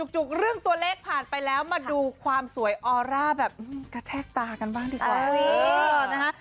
จุกเรื่องตัวเลขผ่านไปแล้วมาดูความสวยออร่าแบบกระแทกตากันบ้างดีกว่า